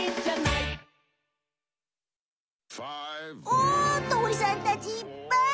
お鳥さんたちいっぱい！